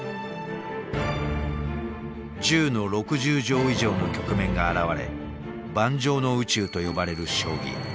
１０の６０乗以上の局面が現れ盤上の宇宙と呼ばれる将棋。